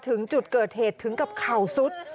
ถึงจุดเกิดเหตุถึงกับเข่าซุด